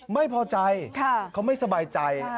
ไม่พอใจเค้าไม่สบายใจค่ะ